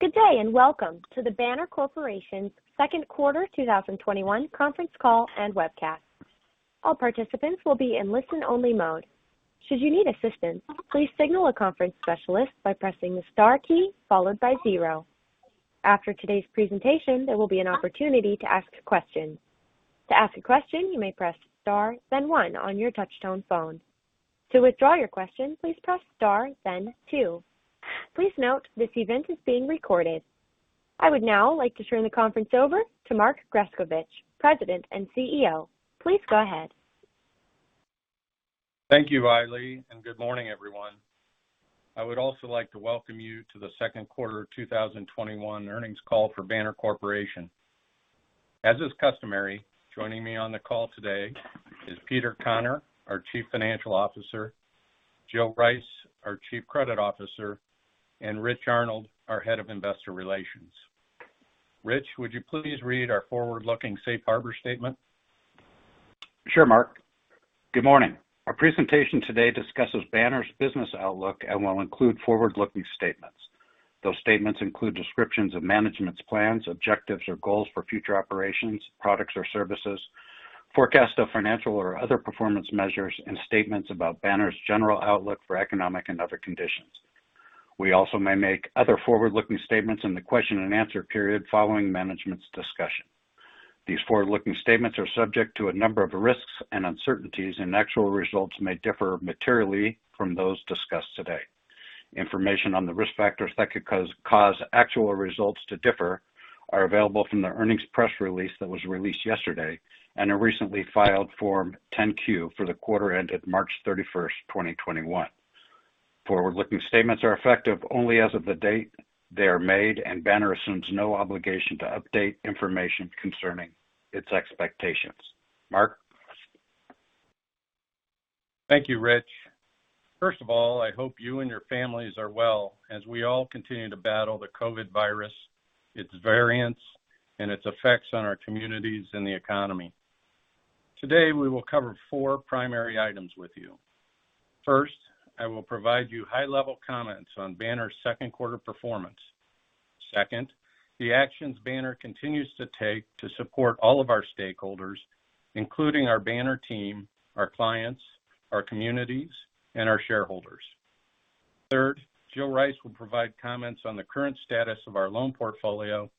Good day, and welcome to the Banner Corporation second quarter 2021 conference call and webcast. All participants will be in listen only mode. Should you need assistance, please signal a conference specialist by pressing the star key followed by zero. After today's presentation, there will be an opportunity to ask questions. To ask a question, you may press star then one on your touchtone phone. To withdraw your question, please press star then two. Please note this event is being recorded. I would now like to turn the conference over to Mark Grescovich, President and CEO. Please go ahead. Thank you, Riley, and good morning, everyone. I would also like to welcome you to the second quarter of 2021 earnings call for Banner Corporation. As is customary, joining me on the call today is Peter Conner, our Chief Financial Officer, Jill Rice, our Chief Credit Officer, and Rich Arnold, our Head of Investor Relations. Rich, would you please read our forward-looking safe harbor statement? Sure, Mark. Good morning. Our presentation today discusses Banner's business outlook and will include forward-looking statements. Those statements include descriptions of management's plans, objectives, or goals for future operations, products, or services, forecasts of financial or other performance measures, and statements about Banner's general outlook for economic and other conditions. We also may make other forward-looking statements in the question and answer period following management's discussion. These forward-looking statements are subject to a number of risks and uncertainties, and actual results may differ materially from those discussed today. Information on the risk factors that could cause actual results to differ are available from the earnings press release that was released yesterday and a recently filed Form 10-Q for the quarter ended March 31st, 2021. Forward-looking statements are effective only as of the date they are made, and Banner assumes no obligation to update information concerning its expectations. Mark? Thank you, Rich. First of all, I hope you and your families are well as we all continue to battle the COVID virus, its variants, and its effects on our communities and the economy. Today, we will cover four primary items with you. First, I will provide you high level comments on Banner's second quarter performance. Second, the actions Banner continues to take to support all of our stakeholders, including our Banner team, our clients, our communities, and our shareholders. Third, Jill Rice will provide comments on the current status of our loan portfolio.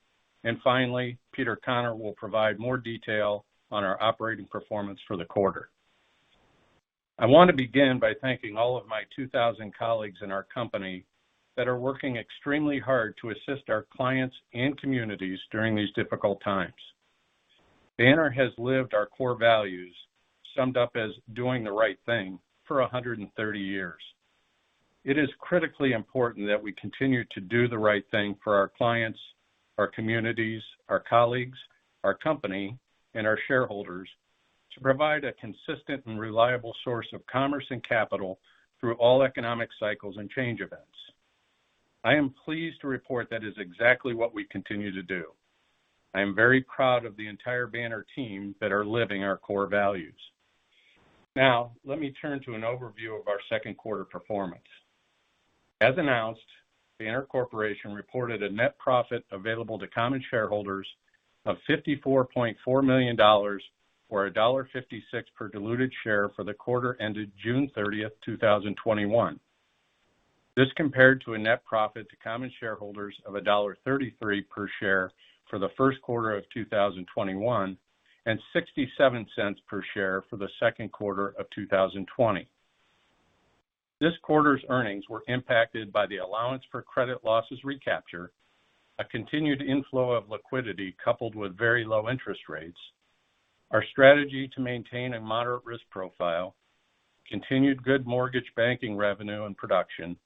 Finally, Peter Conner will provide more detail on our operating performance for the quarter. I want to begin by thanking all of my 2,000 colleagues in our company that are working extremely hard to assist our clients and communities during these difficult times. Banner has lived our core values, summed up as doing the right thing, for 130 years. It is critically important that we continue to do the right thing for our clients, our communities, our colleagues, our company, and our shareholders to provide a consistent and reliable source of commerce and capital through all economic cycles and change events. I am pleased to report that is exactly what we continue to do. I am very proud of the entire Banner team that are living our core values. Now, let me turn to an overview of our second quarter performance. As announced, Banner Corporation reported a net profit available to common shareholders of $54.4 million, or $1.56 per diluted share for the quarter ended June 30th, 2021. This compared to a net profit to common shareholders of $1.33 per share for the first quarter of 2021 and $0.67 per share for the second quarter of 2020. This quarter's earnings were impacted by the allowance for credit losses recapture, a continued inflow of liquidity coupled with very low interest rates, our strategy to maintain a moderate risk profile, continued good mortgage banking revenue and production,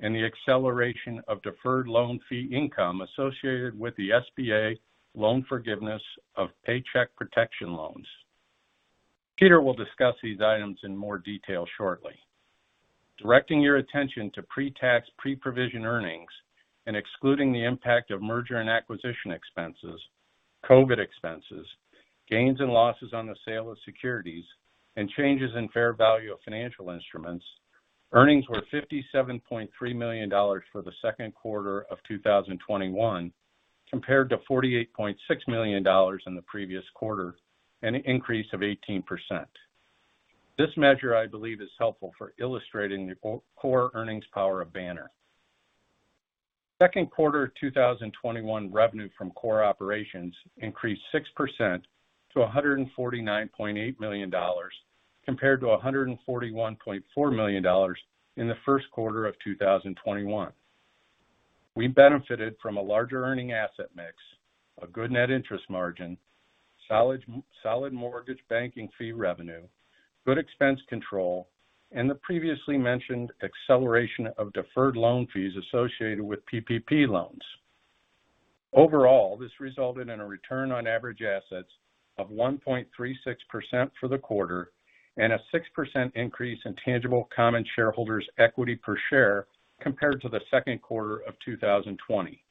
and the acceleration of deferred loan fee income associated with the SBA loan forgiveness of Paycheck Protection loans. Peter will discuss these items in more detail shortly. Directing your attention to pre-tax, pre-provision earnings and excluding the impact of merger and acquisition expenses, COVID expenses, gains and losses on the sale of securities, and changes in fair value of financial instruments, earnings were $57.3 million for the second quarter of 2021 compared to $48.6 million in the previous quarter, an increase of 18%. This measure, I believe, is helpful for illustrating the core earnings power of Banner. Second quarter 2021 revenue from core operations increased 6% to $149.8 million compared to $141.4 million in the first quarter of 2021. We benefited from a larger earning asset mix, a good net interest margin, solid mortgage banking fee revenue, good expense control, and the previously mentioned acceleration of deferred loan fees associated with PPP loans. Overall, this resulted in a return on average assets of 1.36% for the quarter and a 6% increase in tangible common shareholders equity per share compared to the second quarter of 2020.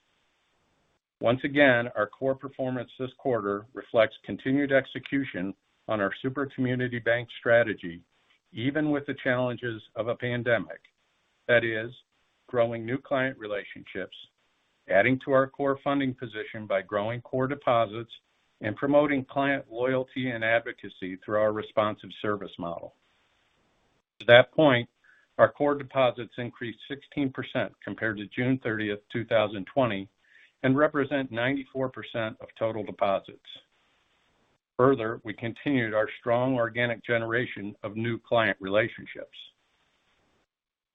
Once again, our core performance this quarter reflects continued execution on our super community bank strategy, even with the challenges of a pandemic. That is growing new client relationships, adding to our core funding position by growing core deposits, and promoting client loyalty and advocacy through our responsive service model. To that point, our core deposits increased 16% compared to June 30th, 2020, and represent 94% of total deposits. Further, we continued our strong organic generation of new client relationships.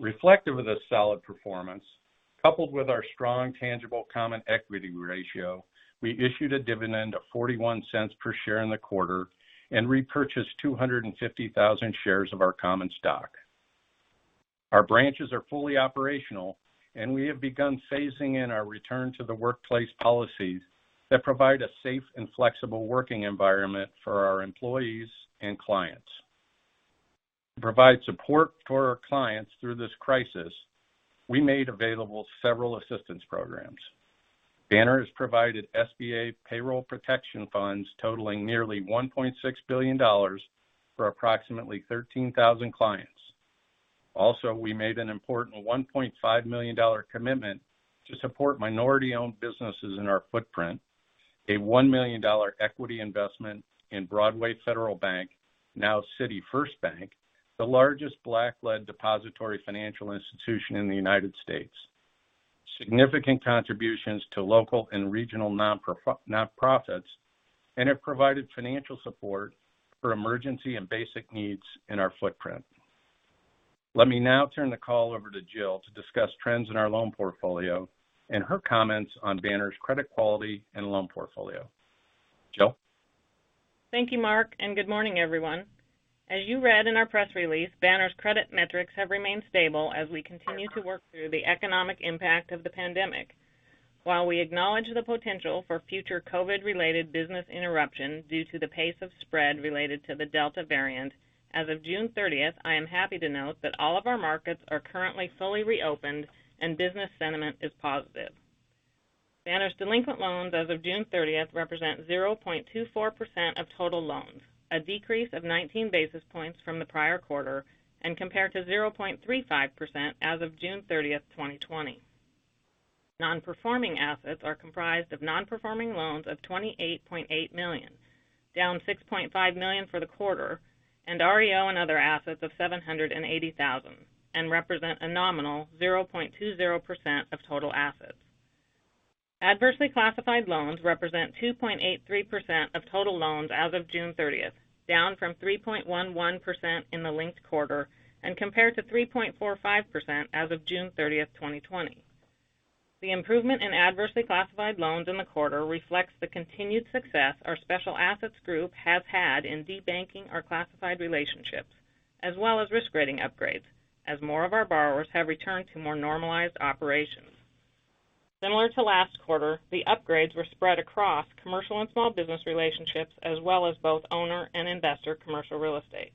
Reflective of this solid performance, coupled with our strong tangible common equity ratio, we issued a dividend of $0.41 per share in the quarter and repurchased 250,000 shares of our common stock. Our branches are fully operational, and we have begun phasing in our return to the workplace policies that provide a safe and flexible working environment for our employees and clients. To provide support for our clients through this crisis, we made available several assistance programs. Banner has provided SBA Paycheck Protection funds totaling nearly $1.6 billion for approximately 13,000 clients. Also, we made an important $1.5 million commitment to support minority-owned businesses in our footprint, a $1 million equity investment in Broadway Federal Bank, now City First Bank, the largest Black-led depository financial institution in the United States, significant contributions to local and regional nonprofits, and have provided financial support for emergency and basic needs in our footprint. Let me now turn the call over to Jill to discuss trends in our loan portfolio and her comments on Banner's credit quality and loan portfolio. Jill? Thank you, Mark. Good morning, everyone. As you read in our press release, Banner's credit metrics have remained stable as we continue to work through the economic impact of the pandemic. While we acknowledge the potential for future COVID-related business interruption due to the pace of spread related to the Delta variant, as of June 30th, I am happy to note that all of our markets are currently fully reopened and business sentiment is positive. Banner's delinquent loans as of June 30th represent 0.24% of total loans, a decrease of 19 basis points from the prior quarter and compared to 0.35% as of June 30th, 2020. Non-performing assets are comprised of non-performing loans of $28.8 million, down $6.5 million for the quarter, and REO and other assets of $780,000, and represent a nominal 0.20% of total assets. Adversely classified loans represent 2.83% of total loans as of June 30th, down from 3.11% in the linked quarter and compared to 3.45% as of June 30th, 2020. The improvement in adversely classified loans in the quarter reflects the continued success our special assets group has had in debanking our classified relationships, as well as risk grading upgrades, as more of our borrowers have returned to more normalized operations. Similar to last quarter, the upgrades were spread across commercial and small business relationships, as well as both owner and investor commercial real estate.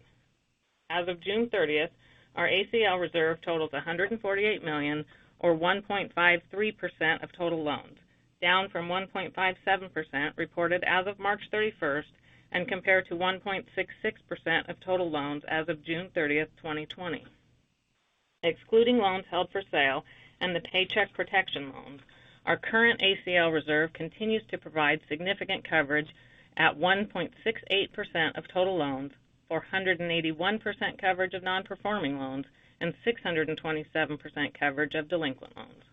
As of June 30th, our ACL reserve totals $148 million or 1.53% of total loans, down from 1.57% reported as of March 31st and compared to 1.66% of total loans as of June 30th, 2020. Excluding loans held for sale and the Paycheck Protection loans, our current ACL reserve continues to provide significant coverage at 1.68% of total loans, or 181% coverage of non-performing loans and 627% coverage of delinquent loans.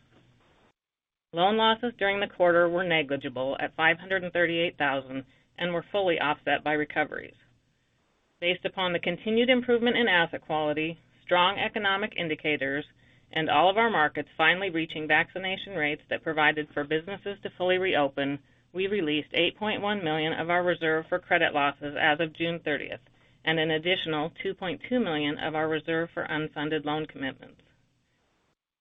Loan losses during the quarter were negligible at $538,000 and were fully offset by recoveries. Based upon the continued improvement in asset quality, strong economic indicators, and all of our markets finally reaching vaccination rates that provided for businesses to fully reopen, we released $8.1 million of our reserve for credit losses as of June 30th and an additional $2.2 million of our reserve for unfunded loan commitments.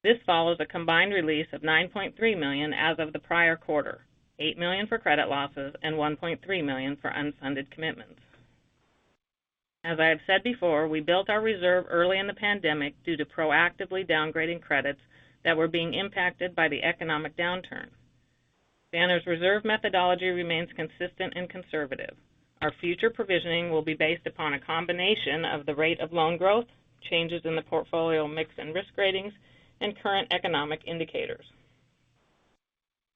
This follows a combined release of $9.3 million as of the prior quarter, $8 million for credit losses and $1.3 million for unfunded commitments. As I have said before, we built our reserve early in the pandemic due to proactively downgrading credits that were being impacted by the economic downturn. Banner's reserve methodology remains consistent and conservative. Our future provisioning will be based upon a combination of the rate of loan growth, changes in the portfolio mix and risk ratings, and current economic indicators.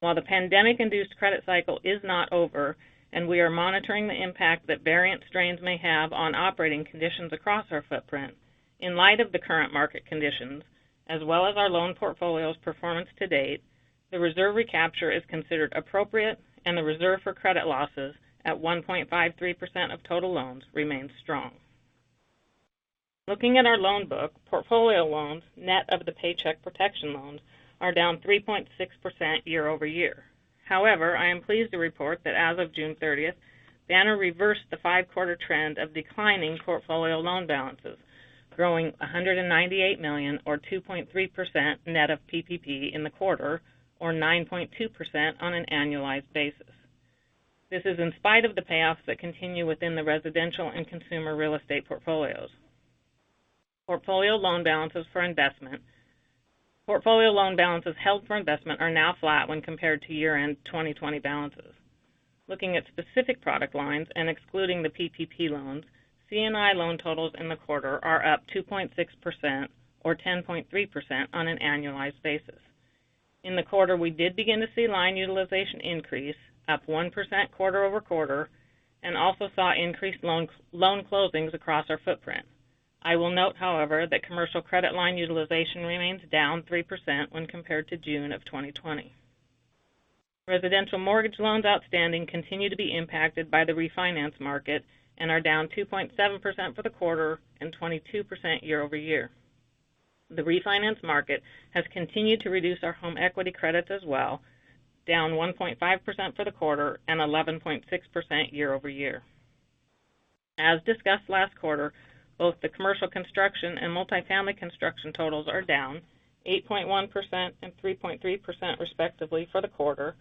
While the pandemic-induced credit cycle is not over and we are monitoring the impact that variant strains may have on operating conditions across our footprint, in light of the current market conditions, as well as our loan portfolio's performance to date, the reserve recapture is considered appropriate and the reserve for credit losses at 1.53% of total loans remains strong. Looking at our loan book, portfolio loans, net of the Paycheck Protection loans, are down 3.6% year-over-year. However, I am pleased to report that as of June 30th, Banner reversed the five-quarter trend of declining portfolio loan balances, growing $198 million or 2.3% net of PPP in the quarter, or 9.2% on an annualized basis. This is in spite of the payoffs that continue within the residential and consumer real estate portfolios. Portfolio loan balances held for investment are now flat when compared to year-end 2020 balances. Looking at specific product lines and excluding the PPP loans, C&I loan totals in the quarter are up 2.6% or 10.3% on an annualized basis. In the quarter, we did begin to see line utilization increase, up 1% quarter-over-quarter, and also saw increased loan closings across our footprint. I will note, however, that commercial credit line utilization remains down 3% when compared to June of 2020. Residential mortgage loans outstanding continue to be impacted by the refinance market and are down 2.7% for the quarter and 22% year-over-year. The refinance market has continued to reduce our home equity credits as well, down 1.5% for the quarter and 11.6% year-over-year. As discussed last quarter, both the commercial construction and multifamily construction totals are down 8.1% and 3.3%, respectively, for the quarter.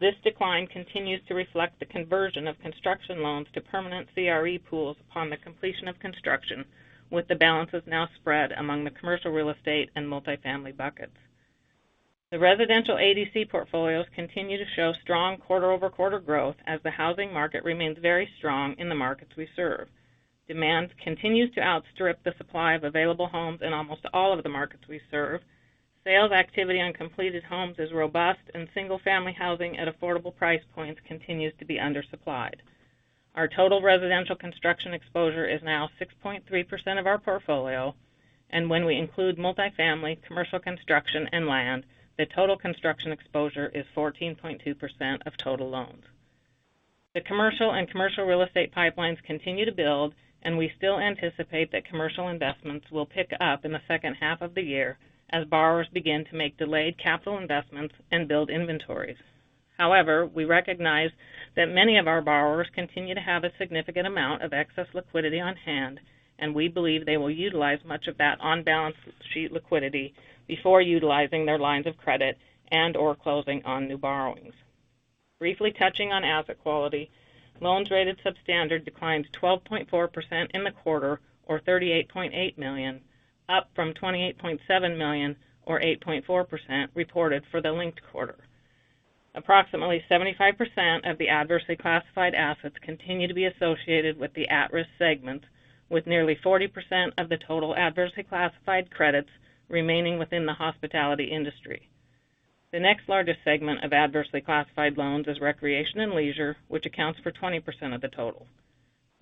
This decline continues to reflect the conversion of construction loans to permanent CRE pools upon the completion of construction, with the balances now spread among the commercial real estate and multifamily buckets. The residential ADC portfolios continue to show strong quarter-over-quarter growth as the housing market remains very strong in the markets we serve. Demand continues to outstrip the supply of available homes in almost all of the markets we serve. Sales activity on completed homes is robust, and single-family housing at affordable price points continues to be undersupplied. Our total residential construction exposure is now 6.3% of our portfolio, and when we include multifamily, commercial construction, and land, the total construction exposure is 14.2% of total loans. The commercial and commercial real estate pipelines continue to build, and we still anticipate that commercial investments will pick up in the second half of the year as borrowers begin to make delayed capital investments and build inventories. However, we recognize that many of our borrowers continue to have a significant amount of excess liquidity on hand, and we believe they will utilize much of that on-balance sheet liquidity before utilizing their lines of credit and/or closing on new borrowings. Briefly touching on asset quality, loans rated substandard declined 12.4% in the quarter, or $38.8 million, up from $28.7 million, or 8.4% reported for the linked quarter. Approximately 75% of the adversely classified assets continue to be associated with the at-risk segments, with nearly 40% of the total adversely classified credits remaining within the hospitality industry. The next largest segment of adversely classified loans is recreation and leisure, which accounts for 20% of the total.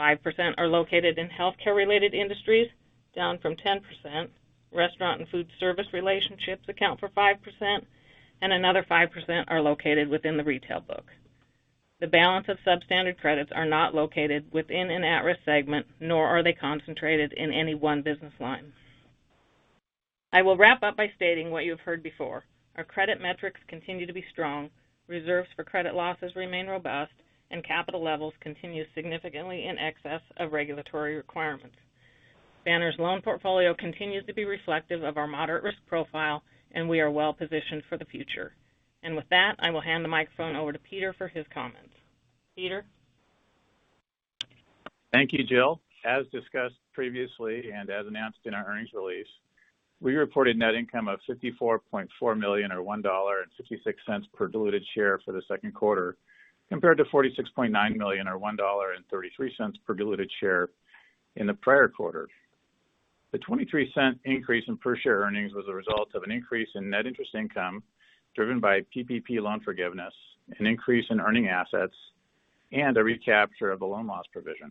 5% are located in healthcare-related industries, down from 10%. Restaurant and food service relationships account for 5%, and another 5% are located within the retail book. The balance of substandard credits are not located within an at-risk segment, nor are they concentrated in any one business line. I will wrap up by stating what you have heard before. Our credit metrics continue to be strong, reserves for credit losses remain robust, and capital levels continue significantly in excess of regulatory requirements. Banner's loan portfolio continues to be reflective of our moderate risk profile, and we are well positioned for the future. With that, I will hand the microphone over to Peter for his comments. Peter? Thank you, Jill. As discussed previously and as announced in our earnings release, we reported net income of $54.4 million, or $1.56 per diluted share for the second quarter, compared to $46.9 million or $1.33 per diluted share in the prior quarter. The $0.23 increase in per-share earnings was a result of an increase in net interest income driven by PPP loan forgiveness, an increase in earning assets, and a recapture of a loan loss provision.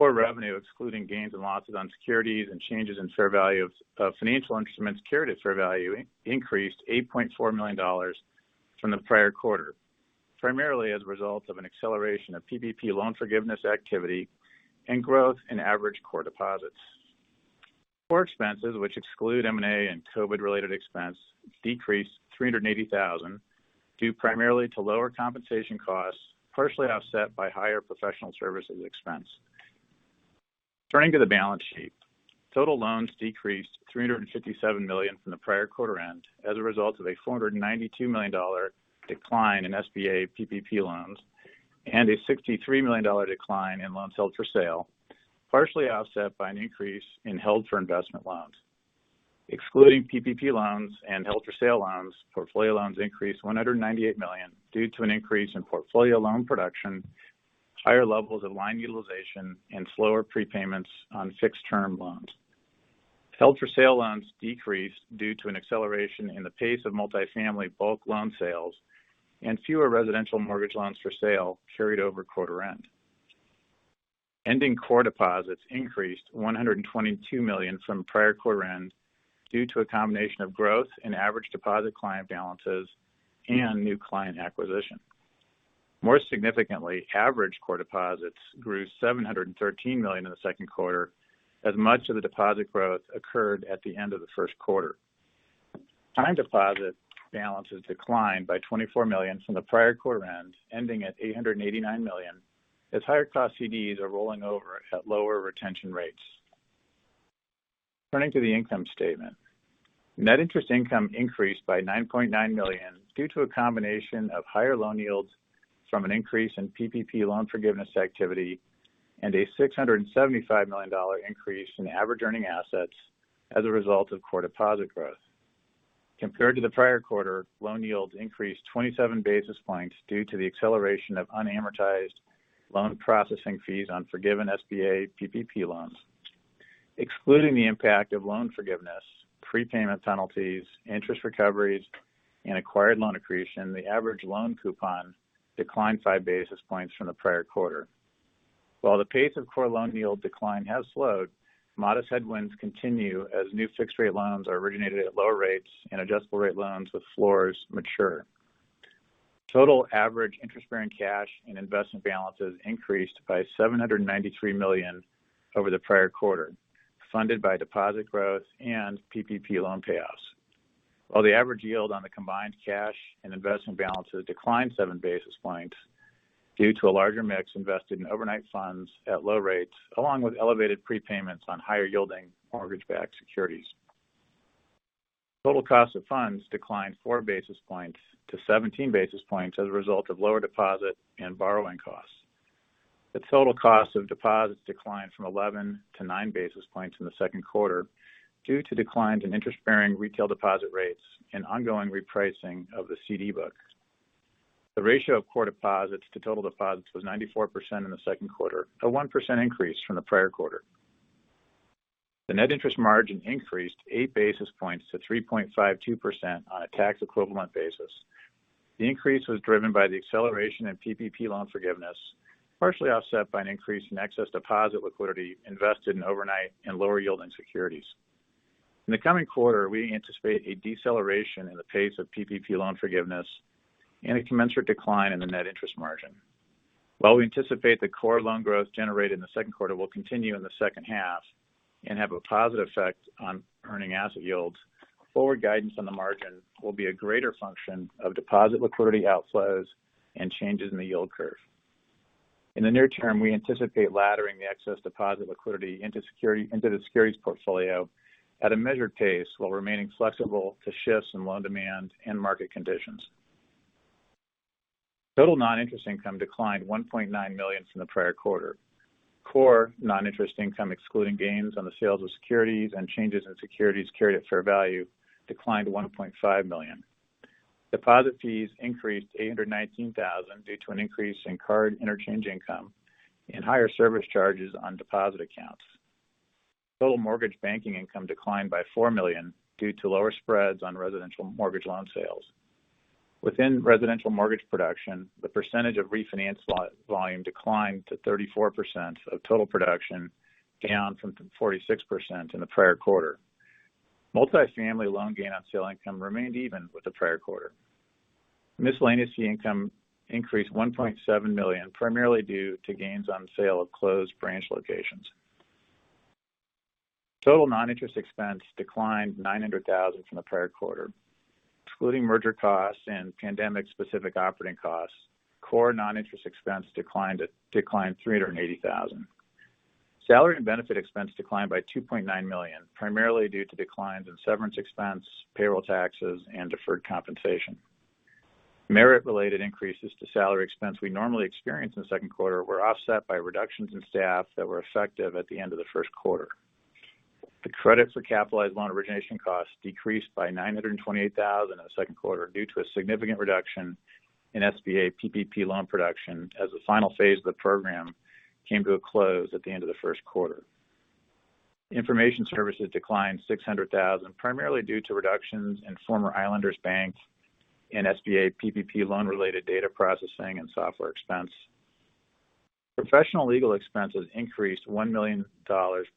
Core revenue, excluding gains and losses on securities and changes in fair value of financial instruments carried at fair value, increased $8.4 million from the prior quarter, primarily as a result of an acceleration of PPP loan forgiveness activity and growth in average core deposits. Core expenses, which exclude M&A and COVID-related expense, decreased $380,000 due primarily to lower compensation costs, partially offset by higher professional services expense. Turning to the balance sheet, total loans decreased $357 million from the prior quarter end as a result of a $492 million decline in SBA PPP loans and a $63 million decline in loans held for sale, partially offset by an increase in held for investment loans. Excluding PPP loans and held for sale loans, portfolio loans increased $198 million due to an increase in portfolio loan production, higher levels of line utilization, and slower prepayments on fixed term loans. Held for sale loans decreased due to an acceleration in the pace of multifamily bulk loan sales and fewer residential mortgage loans for sale carried over quarter end. Ending core deposits increased $122 million from prior quarter end due to a combination of growth in average deposit client balances and new client acquisition. More significantly, average core deposits grew $713 million in the second quarter, as much of the deposit growth occurred at the end of the first quarter. Time deposit balances declined by $24 million from the prior quarter end, ending at $889 million, as higher cost CDs are rolling over at lower retention rates. Turning to the income statement. Net interest income increased by $9.9 million due to a combination of higher loan yields from an increase in PPP loan forgiveness activity and a $675 million increase in average earning assets as a result of core deposit growth. Compared to the prior quarter, loan yields increased 27 basis points due to the acceleration of unamortized loan processing fees on forgiven SBA PPP loans. Excluding the impact of loan forgiveness, prepayment penalties, interest recoveries, and acquired loan accretion, the average loan coupon declined 5 basis points from the prior quarter. While the pace of core loan yield decline has slowed, modest headwinds continue as new fixed-rate loans are originated at lower rates and adjustable rate loans with floors mature. Total average interest-bearing cash and investment balances increased by $793 million over the prior quarter, funded by deposit growth and PPP loan payoffs. While the average yield on the combined cash and investment balances declined 7 basis points due to a larger mix invested in overnight funds at low rates, along with elevated prepayments on higher yielding mortgage-backed securities. Total cost of funds declined 4 basis points-17 basis points as a result of lower deposit and borrowing costs. The total cost of deposits declined from 11 basis points-9 basis points in the second quarter due to declines in interest-bearing retail deposit rates and ongoing repricing of the CD book. The ratio of core deposits to total deposits was 94% in the second quarter, a 1% increase from the prior quarter. The net interest margin increased 8 basis points to 3.52% on a tax equivalent basis. The increase was driven by the acceleration in PPP loan forgiveness, partially offset by an increase in excess deposit liquidity invested in overnight and lower yielding securities. In the coming quarter, we anticipate a deceleration in the pace of PPP loan forgiveness and a commensurate decline in the net interest margin. While we anticipate the core loan growth generated in the second quarter will continue in the second half and have a positive effect on earning asset yields, forward guidance on the margin will be a greater function of deposit liquidity outflows and changes in the yield curve. In the near term, we anticipate laddering the excess deposit liquidity into the securities portfolio at a measured pace while remaining flexible to shifts in loan demand and market conditions. Total non-interest income declined $1.9 million from the prior quarter. Core non-interest income, excluding gains on the sales of securities and changes in securities carried at fair value, declined $1.5 million. Deposit fees increased to $819,000 due to an increase in card interchange income and higher service charges on deposit accounts. Total mortgage banking income declined by $4 million due to lower spreads on residential mortgage loan sales. Within residential mortgage production, the percentage of refinance volume declined to 34% of total production, down from 46% in the prior quarter. Multifamily loan gain on sale income remained even with the prior quarter. Miscellaneous fee income increased $1.7 million, primarily due to gains on sale of closed branch locations. Total non-interest expense declined $900,000 from the prior quarter. Excluding merger costs and pandemic specific operating costs, core non-interest expense declined $380,000. Salary and benefit expense declined by $2.9 million, primarily due to declines in severance expense, payroll taxes, and deferred compensation. Merit related increases to salary expense we normally experience in the second quarter were offset by reductions in staff that were effective at the end of the first quarter. The credits for capitalized loan origination costs decreased by $928,000 in the second quarter due to a significant reduction in SBA PPP loan production as the final phase of the program came to a close at the end of the first quarter. Information services declined $600,000, primarily due to reductions in former Islanders Bank and SBA PPP loan related data processing and software expense. Professional legal expenses increased $1 million,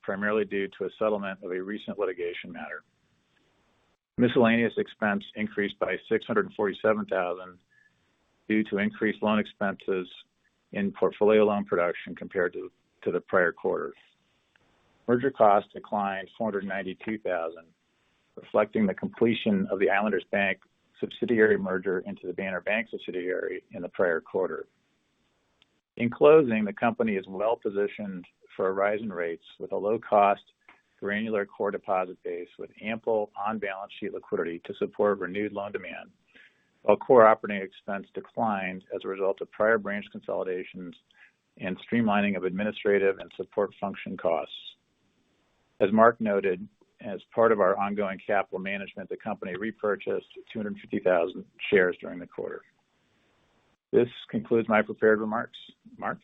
primarily due to a settlement of a recent litigation matter. Miscellaneous expense increased by $647,000 due to increased loan expenses in portfolio loan production compared to the prior quarter. Merger cost declined $492,000, reflecting the completion of the Islanders Bank subsidiary merger into the Banner Bank subsidiary in the prior quarter. In closing, the company is well positioned for rising rates with a low cost, granular core deposit base with ample on-balance sheet liquidity to support renewed loan demand. Core operating expense declined as a result of prior branch consolidations and streamlining of administrative and support function costs. As Mark noted, as part of our ongoing capital management, the company repurchased 250,000 shares during the quarter. This concludes my prepared remarks. Mark?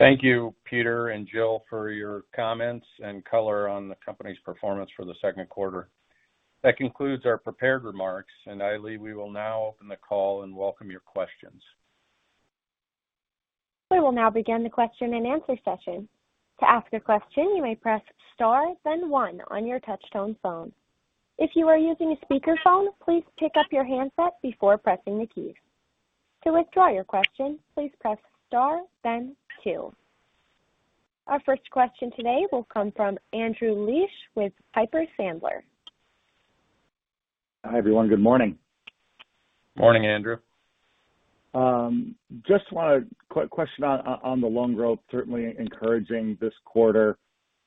Thank you, Peter and Jill, for your comments and color on the company's performance for the second quarter. That concludes our prepared remarks, and Riley, we will now open the call and welcome your questions. We will now begin the question and answer session. Our first question today will come from Andrew Liesch with Piper Sandler. Hi, everyone. Good morning. Morning, Andrew. Just one question on the loan growth, certainly encouraging this quarter.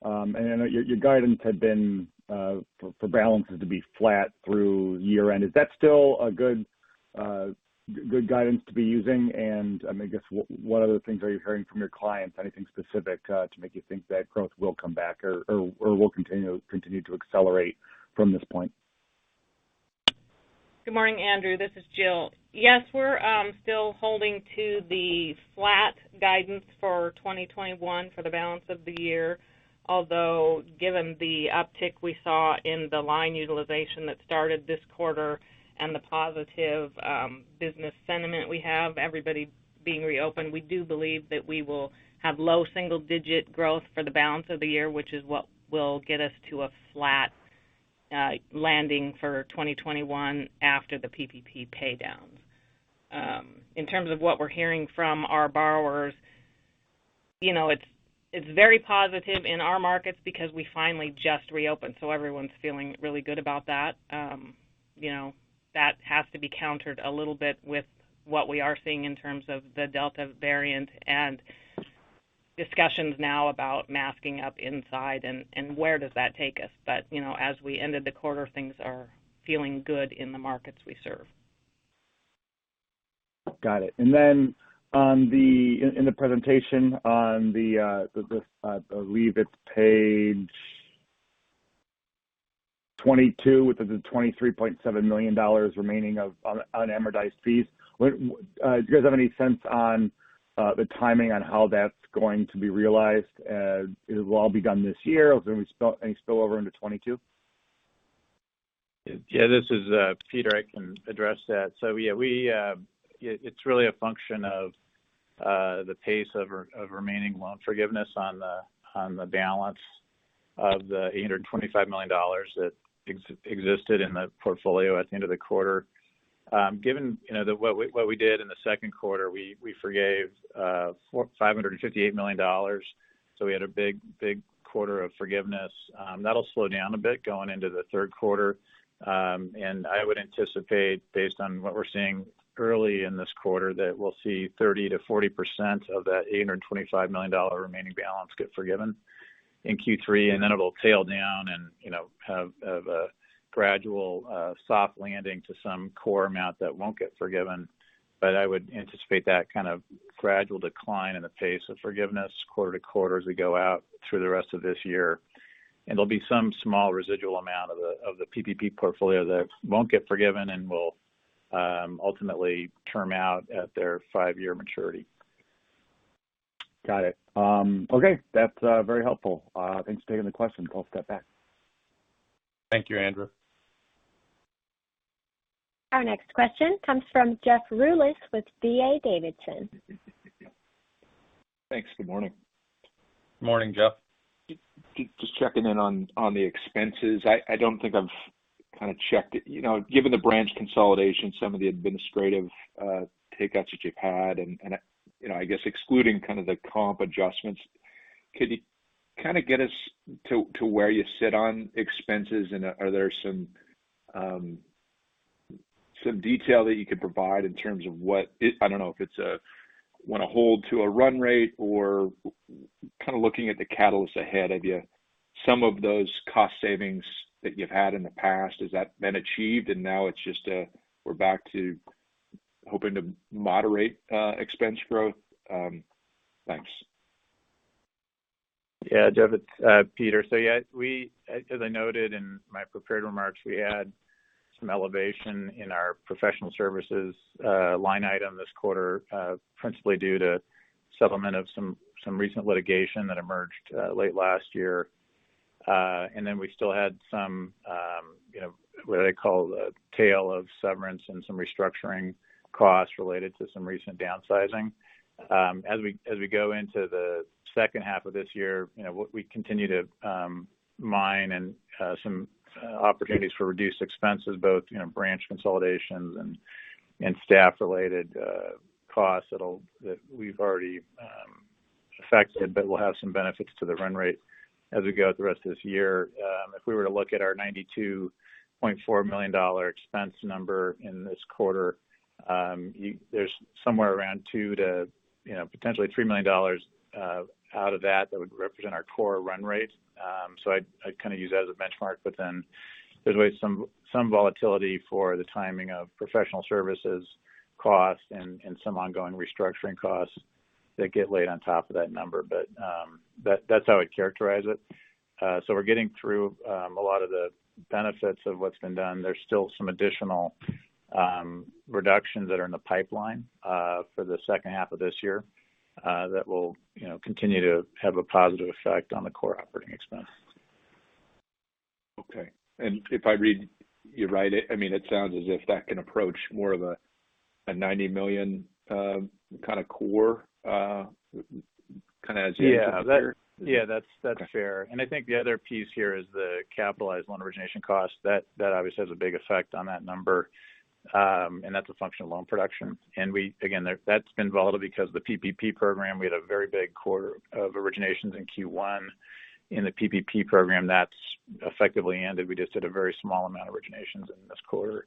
I know your guidance had been for balances to be flat through year-end. Is that still a good guidance to be using? I guess, what other things are you hearing from your clients, anything specific to make you think that growth will come back or will continue to accelerate from this point? Good morning, Andrew. This is Jill. Yes, we're still holding to the flat guidance for 2021 for the balance of the year. Although, given the uptick we saw in the line utilization that started this quarter and the positive business sentiment we have, everybody being reopened, we do believe that we will have low single-digit growth for the balance of the year, which is what will get us to a flat landing for 2021 after the PPP paydowns. In terms of what we're hearing from our borrowers, it's very positive in our markets because we finally just reopened, so everyone's feeling really good about that. That has to be countered a little bit with what we are seeing in terms of the Delta variant and discussions now about masking up inside and where does that take us. As we ended the quarter, things are feeling good in the markets we serve. Got it. In the presentation on the, I believe it's page 22, with the $23.7 million remaining of unamortized fees, do you guys have any sense on the timing on how that's going to be realized? It'll all be done this year, or is there any spillover into 2022? This is Peter. I can address that. It's really a function of the pace of remaining loan forgiveness on the balance of the $825 million that existed in the portfolio at the end of the quarter. Given what we did in the second quarter, we forgave $558 million, we had a big quarter of forgiveness. That'll slow down a bit going into the third quarter. I would anticipate, based on what we're seeing early in this quarter, that we'll see 30%-40% of that $825 million remaining balance get forgiven in Q3, it'll tail down and have a gradual soft landing to some core amount that won't get forgiven. I would anticipate that kind of gradual decline in the pace of forgiveness quarter to quarter as we go out through the rest of this year. There'll be some small residual amount of the PPP portfolio that won't get forgiven and will ultimately term out at their five-year maturity. Got it. Okay. That's very helpful. Thanks for taking the question. I'll step back. Thank you, Andrew. Our next question comes from Jeff Rulis with D.A. Davidson. Thanks. Good morning. Morning, Jeff. Just checking in on the expenses. I don't think I've kind of checked it. Given the branch consolidation, some of the administrative takeouts that you've had, and I guess excluding kind of the comp adjustments, can you kind of get us to where you sit on expenses, and are there some detail that you could provide in terms of what I don't know if it's a want to hold to a run rate or kind of looking at the catalyst ahead. Have you some of those cost savings that you've had in the past, has that been achieved and now it's just we're back to hoping to moderate expense growth? Thanks. Jeff, it's Peter. As I noted in my prepared remarks, we had some elevation in our professional services line item this quarter principally due to settlement of some recent litigation that emerged late last year. We still had some, what they call the tail of severance and some restructuring costs related to some recent downsizing. As we go into the second half of this year, we continue to mine some opportunities for reduced expenses, both branch consolidations and staff-related costs that we've already affected. We'll have some benefits to the run rate as we go through the rest of this year. If we were to look at our $92.4 million expense number in this quarter, there's somewhere around $2 to potentially $3 million out of that that would represent our core run rate. I'd kind of use that as a benchmark, there's always some volatility for the timing of professional services costs and some ongoing restructuring costs that get laid on top of that number. That's how I'd characterize it. We're getting through a lot of the benefits of what's been done. There's still some additional reductions that are in the pipeline for the second half of this year that will continue to have a positive effect on the core operating expense. Okay. If I read you right, it sounds as if that can approach more of a $90 million kind of core as you enter the year. Yeah. That's fair. I think the other piece here is the capitalized loan origination cost. That obviously has a big effect on that number. That's a function of loan production. Again, that's been volatile because of the PPP program. We had a very big quarter of originations in Q1. In the PPP program, that's effectively ended. We just did a very small amount of originations in this quarter.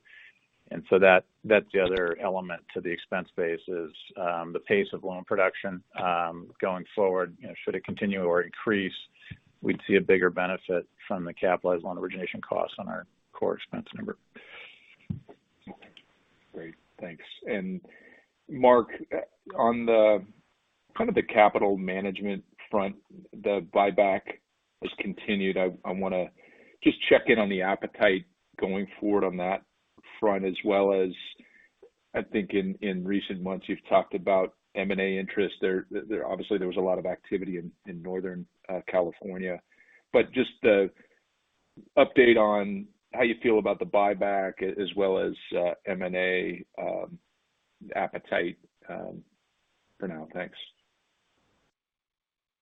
That's the other element to the expense base is the pace of loan production going forward. Should it continue or increase, we'd see a bigger benefit from the capitalized loan origination costs on our core expense number. Great. Thanks. Mark, on the capital management front, the buyback has continued. I want to just check in on the appetite going forward on that front as well as I think in recent months you've talked about M&A interest there. Obviously, there was a lot of activity in Northern California. Just the update on how you feel about the buyback as well as M&A appetite for now. Thanks.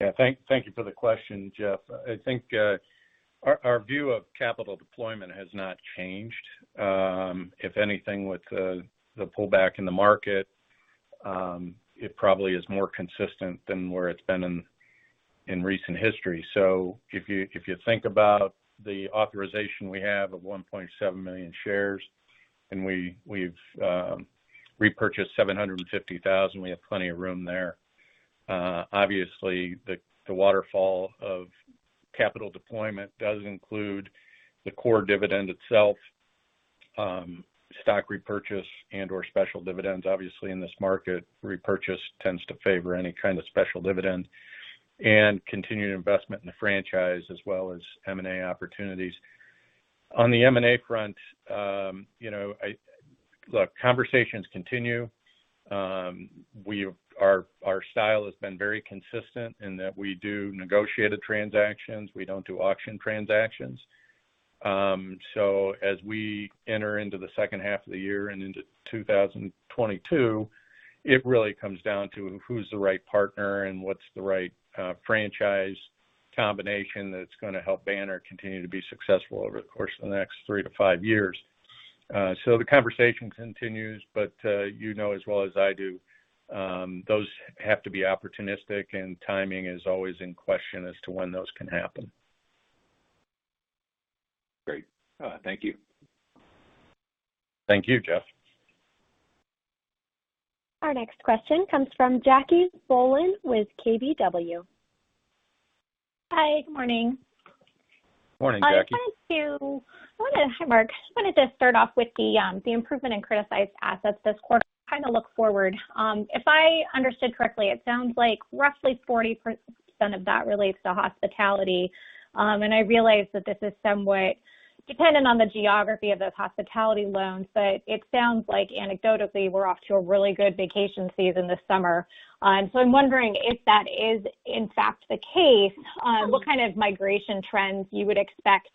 Yeah. Thank you for the question, Jeff. I think our view of capital deployment has not changed. If anything, with the pullback in the market, it probably is more consistent than where it's been in recent history. If you think about the authorization we have of 1.7 million shares, and we've repurchased 750,000 shares, we have plenty of room there. Obviously, the waterfall of capital deployment does include the core dividend itself, stock repurchase, and/or special dividends. Obviously, in this market, repurchase tends to favor any kind of special dividend, and continued investment in the franchise, as well as M&A opportunities. On the M&A front, look, conversations continue. Our style has been very consistent in that we do negotiated transactions. We don't do auction transactions. As we enter into the second half of the year and into 2022, it really comes down to who's the right partner and what's the right franchise combination that's going to help Banner continue to be successful over the course of the next three years-five years. The conversation continues, but you know as well as I do, those have to be opportunistic, and timing is always in question as to when those can happen. Great. Thank you. Thank you, Jeff. Our next question comes from Jacque Bohlen with KBW. Hi. Good morning. Morning, Jacque. Hi, Mark. I just wanted to start off with the improvement in criticized assets this quarter, kind of look forward. If I understood correctly, it sounds like roughly 40% of that relates to hospitality. I realize that this is somewhat dependent on the geography of those hospitality loans, but it sounds like anecdotally, we're off to a really good vacation season this summer. So I'm wondering if that is in fact the case, what kind of migration trends you would expect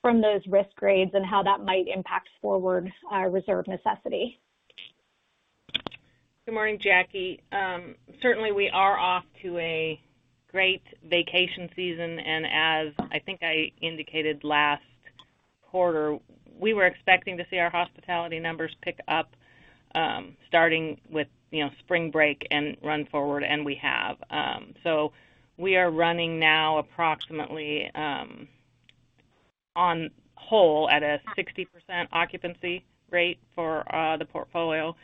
from those risk grades and how that might impact forward reserve necessity? Good morning, Jacque. Certainly, we are off to a great vacation season, and as I think I indicated last quarter, we were expecting to see our hospitality numbers pick up, starting with spring break and run forward, and we have. We are running now approximately on whole at a 60% occupancy rate for the portfolio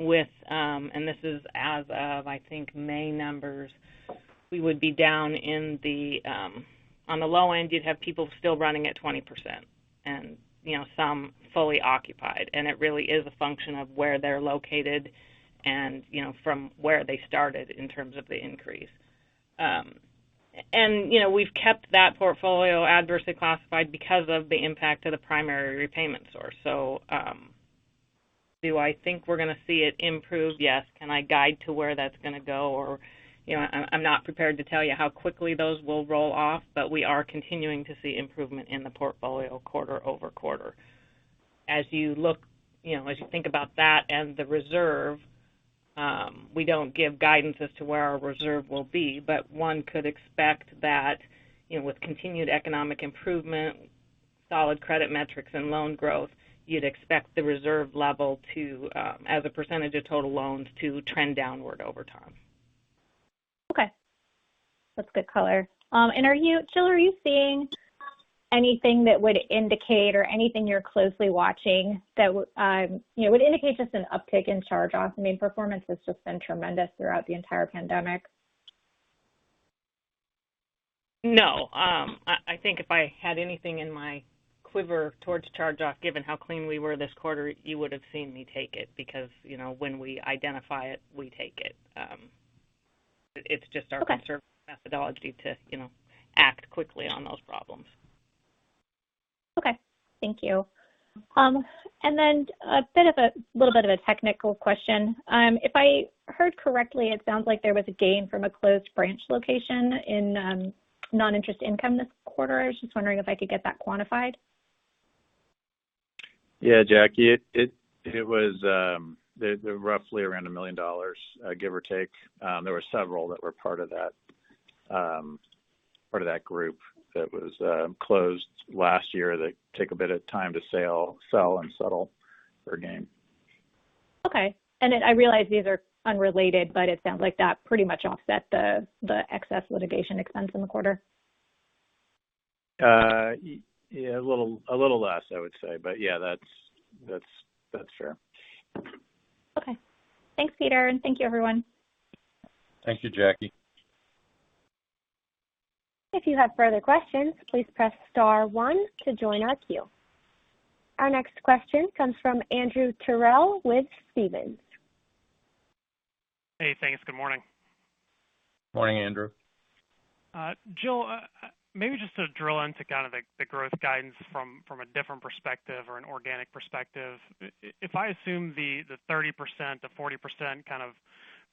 with and this is as of, I think, May numbers. We would be down on the low end, you'd have people still running at 20%, and some fully occupied. It really is a function of where they're located and from where they started in terms of the increase. We've kept that portfolio adversely classified because of the impact of the primary repayment source. Do I think we're going to see it improve? Yes. I'm not prepared to tell you how quickly those will roll off, but we are continuing to see improvement in the portfolio quarter-over-quarter. As you think about that and the reserve, we don't give guidance as to where our reserve will be, but one could expect that with continued economic improvement, solid credit metrics, and loan growth, you'd expect the reserve level to, as a percentage of total loans, to trend downward over time. Okay. That's good color. Jill, are you seeing anything that would indicate or anything you're closely watching that would indicate just an uptick in charge-offs? I mean, performance has just been tremendous throughout the entire pandemic. No. I think if I had anything in my quiver towards charge-off, given how clean we were this quarter, you would've seen me take it because when we identify it, we take it. Okay. It's just our conservative methodology to act quickly on those problems. Okay. Thank you. A little bit of a technical question. If I heard correctly, it sounds like there was a gain from a closed branch location in non-interest income this quarter. I was just wondering if I could get that quantified. Yeah, Jacque. It was roughly around $1 million, give or take. There were several that were part of that. Part of that group that was closed last year that took a bit of time to sell and settle their gain. Okay. I realize these are unrelated, but it sounds like that pretty much offset the excess litigation expense in the quarter. Yeah, a little less, I would say. Yeah, that's fair. Okay. Thanks, Peter, and thank you everyone. Thank you, Jacque. If you have further questions, please press star one to join our queue. Our next question comes from Andrew Terrell with Stephens. Hey, thanks. Good morning. Morning, Andrew. Jill, maybe just to drill into kind of the growth guidance from a different perspective or an organic perspective. If I assume the 30%-40% kind of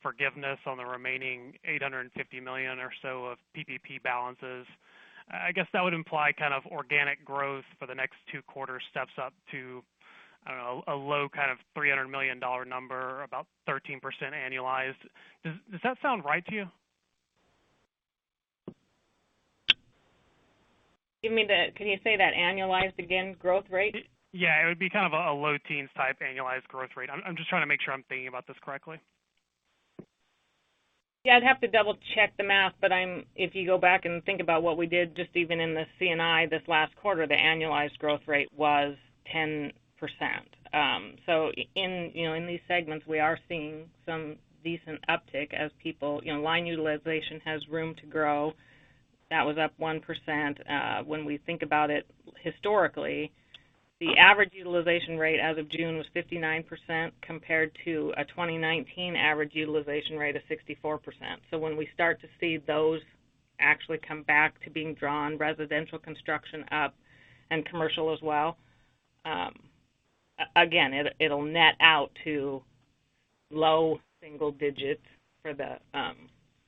forgiveness on the remaining $850 million or so of PPP balances, I guess that would imply kind of organic growth for the next two quarters steps up to, I don't know, a low kind of $300 million number, about 13% annualized. Does that sound right to you? Can you say that annualized again, growth rate? Yeah, it would be kind of a low teens type annualized growth rate. I'm just trying to make sure I'm thinking about this correctly. Yeah, I'd have to double-check the math, but if you go back and think about what we did, just even in the C&I this last quarter, the annualized growth rate was 10%. In these segments, we are seeing some decent uptick. Line utilization has room to grow. That was up 1%. When we think about it historically, the average utilization rate as of June was 59%, compared to a 2019 average utilization rate of 64%. When we start to see those actually come back to being drawn, residential construction up and commercial as well. Again, it'll net out to low single digits for the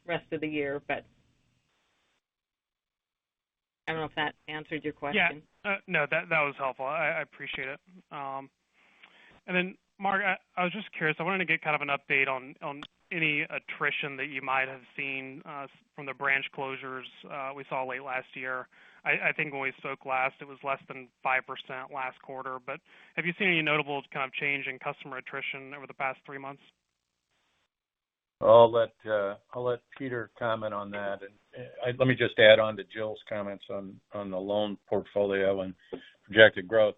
rest of the year, but I don't know if that answered your question. Yeah. No, that was helpful. I appreciate it. Mark, I was just curious, I wanted to get kind of an update on any attrition that you might have seen from the branch closures we saw late last year. I think when we spoke last, it was less than 5% last quarter. Have you seen any notable kind of change in customer attrition over the past three months? I'll let Peter comment on that. Let me just add on to Jill's comments on the loan portfolio and projected growth.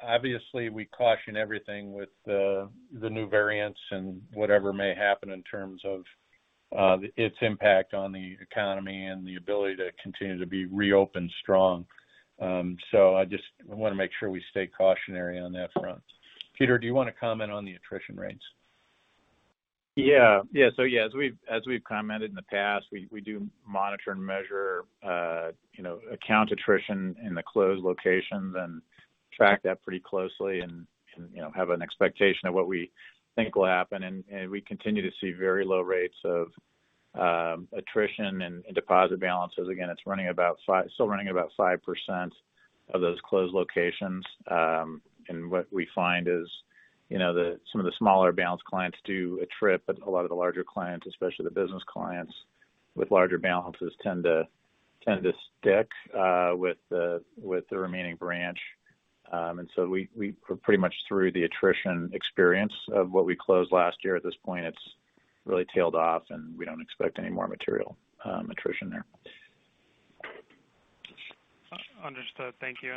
Obviously, we caution everything with the new variants and whatever may happen in terms of its impact on the economy and the ability to continue to be reopened strong. I just want to make sure we stay cautionary on that front. Peter, do you want to comment on the attrition rates? Yeah. As we've commented in the past, we do monitor and measure account attrition in the closed locations and track that pretty closely and have an expectation of what we think will happen. We continue to see very low rates of attrition in deposit balances. Again, it's still running about 5% of those closed locations. What we find is some of the smaller balance clients do attrit, but a lot of the larger clients, especially the business clients with larger balances, tend to stick with the remaining branch. We're pretty much through the attrition experience of what we closed last year. At this point, it's really tailed off, and we don't expect any more material attrition there. Understood. Thank you.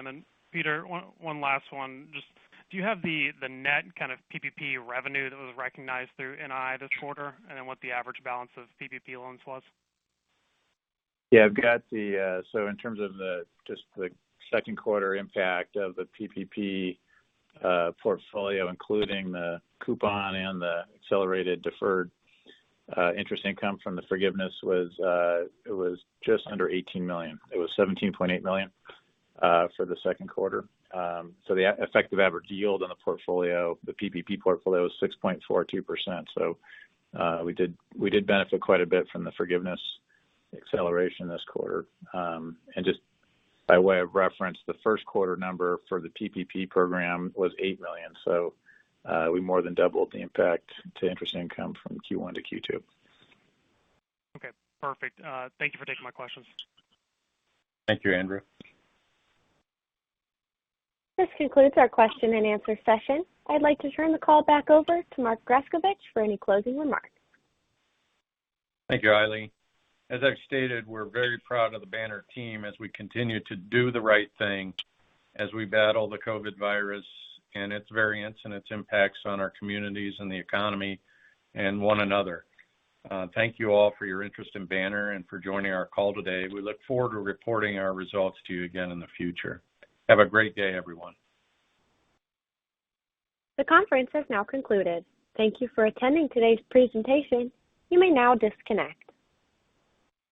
Peter, one last one. Just, do you have the net kind of PPP revenue that was recognized through NII this quarter? What the average balance of PPP loans was? In terms of just the second quarter impact of the PPP portfolio, including the coupon and the accelerated deferred interest income from the forgiveness was just under $18 million. It was $17.8 million for the second quarter. The effective average yield on the portfolio, the PPP portfolio is 6.42%. We did benefit quite a bit from the forgiveness acceleration this quarter. Just by way of reference, the first quarter number for the PPP program was $8 million. We more than doubled the impact to interest income from Q1-Q2. Okay, perfect. Thank you for taking my questions. Thank you, Andrew. This concludes our question and answer session. I'd like to turn the call back over to Mark Grescovich for any closing remarks. Thank you, Riley. As I've stated, we're very proud of the Banner team as we continue to do the right thing as we battle the COVID virus and its variants and its impacts on our communities and the economy and one another. Thank you all for your interest in Banner and for joining our call today. We look forward to reporting our results to you again in the future. Have a great day, everyone. The conference has now concluded. Thank you for attending today's presentation. You may now disconnect.